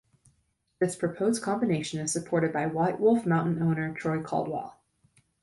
This proposed combination is supported by White Wolf Mountain owner Troy Caldwell.